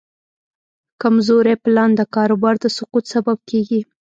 کمزوری پلان د کاروبار د سقوط سبب کېږي.